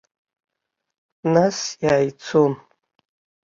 Насиааицон.